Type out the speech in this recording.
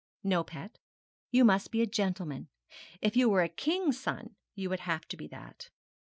'No, pet, you must be a gentleman. If you were a king's son you would have to be that.'